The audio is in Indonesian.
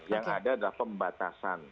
yang ada adalah pembatasan